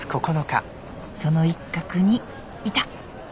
その一角にいた！